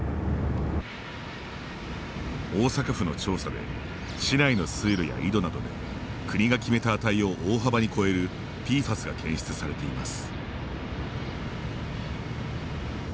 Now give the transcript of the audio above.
大阪府の調査で市内の水路や井戸などで国が決めた値を大幅に超えるＰＦＡＳが検出されています。